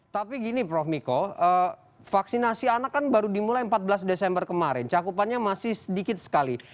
tapi gini prof miko vaksinasi anak kan baru dimulai empat belas desember kemarin cakupannya masih sedikit sekali